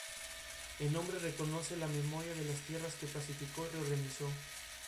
Los primeros habitantes eran cazadores y recolectores, y tenían habilidad suficiente para fabricar utensilios.